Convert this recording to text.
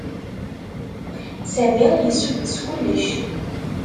Sami yessuddes kullec.